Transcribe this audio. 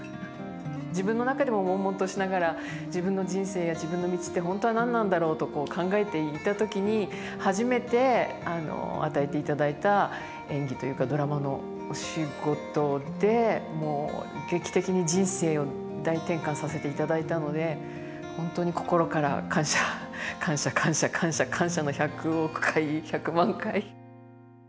自分の中でももんもんとしながら自分の人生や自分の道って本当は何なんだろうと考えていた時に初めて与えていただいた演技というかドラマのお仕事でもう劇的に人生を大転換させていただいたので本当に心から感謝感謝感謝感謝感謝の１００億回１００万回。